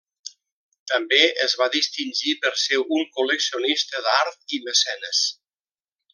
També es va distingir per ser un col·leccionista d'art i mecenes.